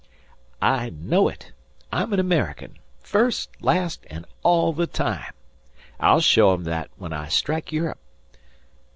"I know it. I'm an American first, last, and all the time. I'll show 'em that when I strike Europe.